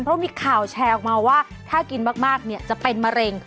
เพราะมีข่าวแชร์ออกมาว่าถ้ากินมากจะเป็นมะเร็ง